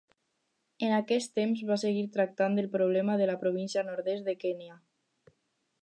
En aquest temps va seguir tractant el problema de la província nord-est de Kenya.